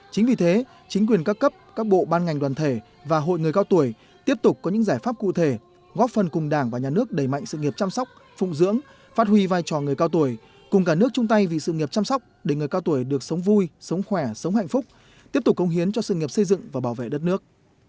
chính vì thế chính quyền các cấp các bộ ban ngành đoàn thể và hội người cao tuổi tiếp tục có những giải pháp cụ thể góp phần cùng đảng và nhà nước đẩy mạnh sự nghiệp chăm sóc phụng dưỡng phát huy vai trò người cao tuổi cùng cả nước chung tay vì sự nghiệp chăm sóc để người cao tuổi được sống vui sống khỏe sống hạnh phúc tiếp tục công hiến cho sự nghiệp xây dựng và bảo vệ đất nước